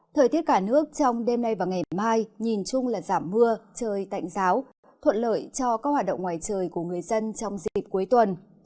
thời tiết cả nước trong đêm nay và ngày mai nhìn chung là giảm mưa trời tạnh giáo thuận lợi cho các hoạt động ngoài trời của người dân trong dịp cuối tuần